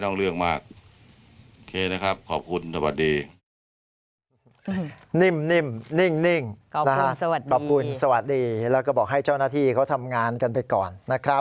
ต้องเรื่องมากค่ะนะครับขอบคุณสวัสดีนิ่มนิ่งบัดสวัสดีแล้วก็บอกให้เจ้านาธิเขาทำงานกัน